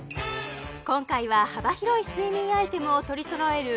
今回は幅広い睡眠アイテムを取りそろえる